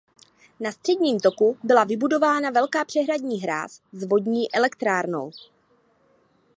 Na středním toku byla vybudována velká přehradní hráz s vodní elektrárnou.